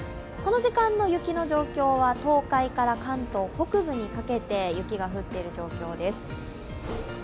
この時間の雪の状況は東海から関東、北部にかけて雪が降っている状況です。